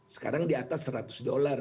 sekarang di atas seratus dolar